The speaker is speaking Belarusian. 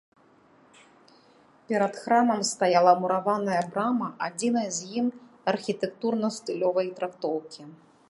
Перад храмам стаяла мураваная брама адзінай з ім архітэктурна-стылёвай трактоўкі.